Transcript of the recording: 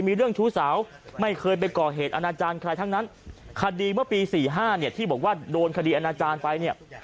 มีเรื่องชู้สาวไม่เคยไปก่อเหตุอาณาจารย์ใครทั้งนั้นคดีเมื่อปี๔๕เนี่ยที่บอกว่าโดนคดีอาณาจารย์ไปเนี่ย